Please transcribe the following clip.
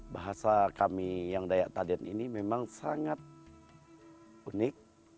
bahasa kami yang dayak taden ini memang sangat unik